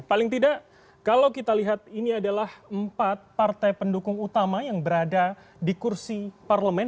paling tidak kalau kita lihat ini adalah empat partai pendukung utama yang berada di kursi parlemen